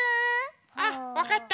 あっわかった。